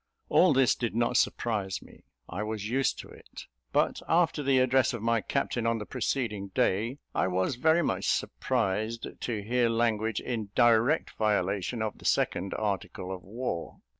All this did not surprise me: I was used to it; but after the address of my captain on the preceding day, I was very much surprised to hear language in direct violation of the second article of war.